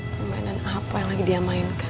permainan apa yang lagi dia mainkan